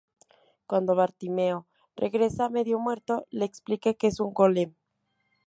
Cuando Bartimeo regresa, medio muerto, le explica que es un Golem.